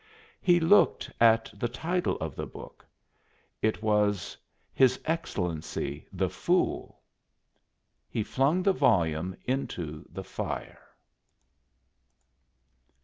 He looked at the title of the book; it was, His Excellency the Fool. He flung the volume into the fire.